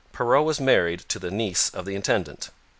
Perrot was married to the niece of the intendant.